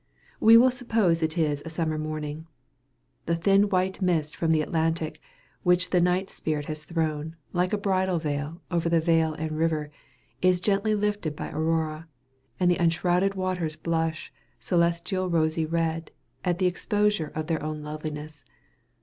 We will suppose it is a summer morning. The thin white mist from the Atlantic, which the night spirit has thrown, like a bridal veil, over the vale and river, is gently lifted by Aurora, and the unshrouded waters blush "celestial rosy red" at the exposure of their own loveliness.